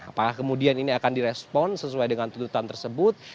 apakah kemudian ini akan direspon sesuai dengan tuntutan tersebut